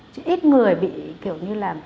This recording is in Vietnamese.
chứ ít người bị kiểu như là